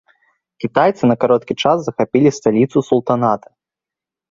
Кітайцы на кароткі час захапілі сталіцу султаната.